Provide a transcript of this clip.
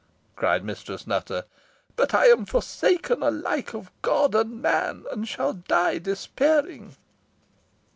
cried Mistress Nutter; "but I am forsaken alike of God and man, and shall die despairing."